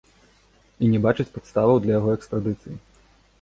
І не бачыць падставаў для яго экстрадыцыі.